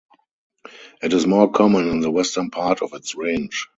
It is more common in the western part of its range.